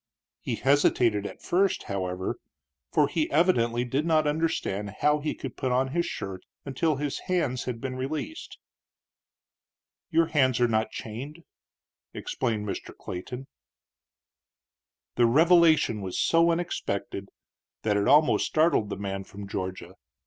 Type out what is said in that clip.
He hesitated at first, however, for he evidently did not understand how he could put on his shirt until his hands had been released. "Your hands are not chained," explained Mr. Clayton. The revelation was so unexpected that it almost startled the man from Georgia.